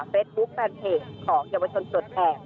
เฟสบุ๊คแฟนเพจของเยาวชนสดแทน